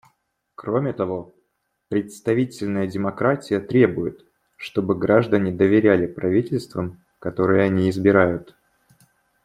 Кроме того, представительная демократия требует, чтобы граждане доверяли правительствам, которые они избирают.